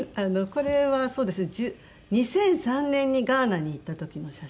これはそうですね２００３年にガーナに行った時の写真です。